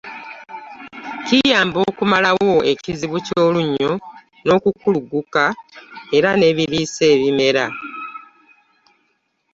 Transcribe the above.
Kiyamba okumalawo ekizibu ky’olunnyo n’okukulugguka, era n'ebiriisa ebimera.